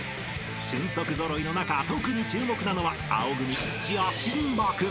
［俊足揃いの中特に注目なのは青組土屋神葉君］